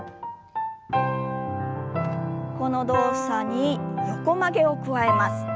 この動作に横曲げを加えます。